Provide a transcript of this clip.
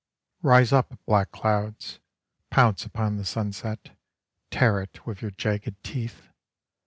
Rise up, black clouds; Pounce upon the sunset: Tear it with your jagged teeth.